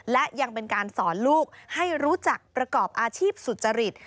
และยังเป็นการสอนลูกให้รู้จักประกอบอาชีพสุจริต